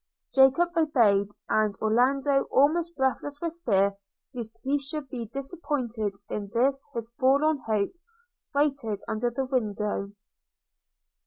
Jacob obeyed; and Orlando, almost breathless with fear lest he should be disappointed in this his forlorn hope, waited under the window.